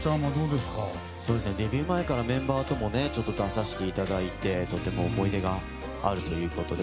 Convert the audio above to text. デビュー前からメンバーとも出させていただいてとても思い出があるということで。